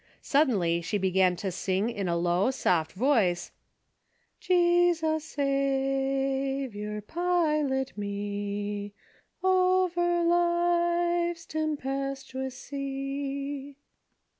Sud denly she began to sing in a low soft voice, " Jesus, Saviour, pilot me, Over life's tempestuous sea."